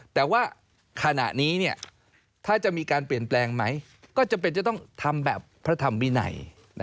แต่ว่าขณะนี้ถ้าจะมีการเปลี่ยนแปลงไหมก็จำเป็นจะต้องทำแบบพระธรรมวินัย